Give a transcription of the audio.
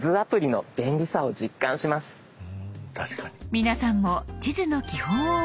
皆さんも地図の基本を覚えましょう。